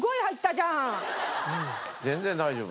全然大丈夫。